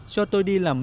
cho tôi đi làm mùa đại